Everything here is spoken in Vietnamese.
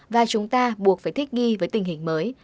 và chúng ta buộc phải thích nghi với tình hình mới